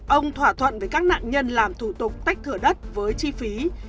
ông thỏa thuận với các nạn nhân làm thủ tục tách thửa đất với chi phí